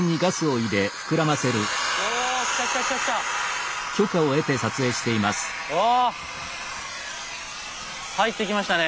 入ってきましたね。